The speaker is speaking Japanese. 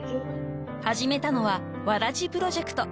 ［始めたのはわらじプロジェクト］